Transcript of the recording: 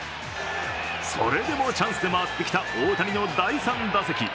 それでもチャンスで回ってきた大谷の第３打席。